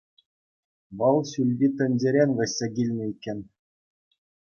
Вӑл ҫӳлти тӗнчерен вӗҫсе килнӗ иккен.